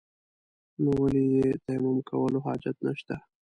نو ولې يې تيمم کولو حاجت نشته.